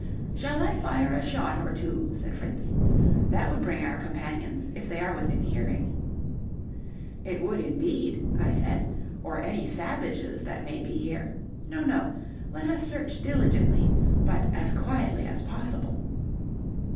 "Shall I fire a shot or two?" said Fritz; "that would bring our companions, if they are within hearing." "It would indeed," I said, "or any savages that may be here. No, no; let us search diligently, but as quietly as possible."